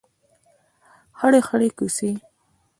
خړې خړۍ کوڅې